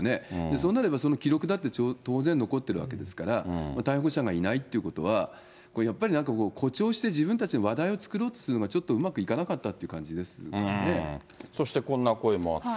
そうなればその記録だって、当然残ってるわけですから、逮捕者がいないってことは、やっぱりなんかこう、誇張して自分たちで話題を作ろうとして、ちょっとうまくいかなかそしてこんな声もあって。